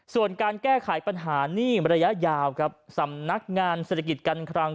ส่วนการแก้ไขปัญหานี่ระยะยาวครับสำนักงานเศรษฐกิจการคลัง